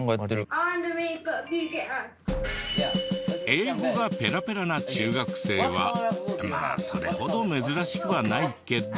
英語がペラペラな中学生はまあそれほど珍しくはないけど。